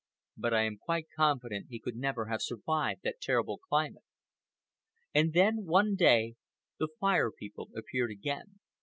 But I am quite confident he could never have survived that terrible climate. And then, one day, the Fire People appeared again.